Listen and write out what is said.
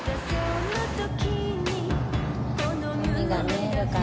海が見えるかな？